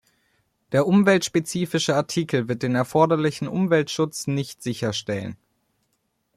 Der umweltspezifische Artikel wird den erforderlichen Umweltschutz nicht sicherstellen.